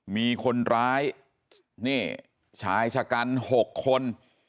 มีคนร้ายนี่ชายชะกัน๖คน